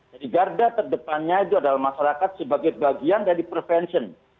jadi garda terdepannya itu adalah masyarakat sebagai bagian dari prevention